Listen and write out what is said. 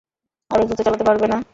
আরো দ্রুত চালাতে পারবে না?